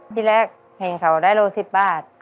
ที่แรกเห็นเขาได้โล๑๐บาท